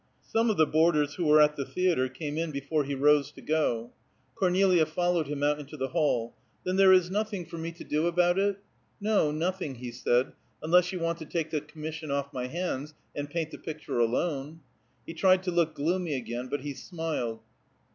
Some of the boarders who were at the theatre came in before he rose to go. Cornelia followed him out into the hall. "Then there is nothing for me to do about it?" "No, nothing," he said, "unless you want to take the commission off my hands, and paint the picture alone." He tried to look gloomy again, but he smiled.